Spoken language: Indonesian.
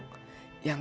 tuh tentu saja